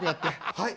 はい。